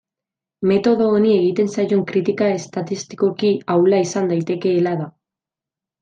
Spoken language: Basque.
Metodo honi egiten zaion kritika estatistikoki ahula izan daitekeela da.